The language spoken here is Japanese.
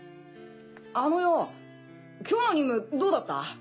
あのよ今日の任務どうだった？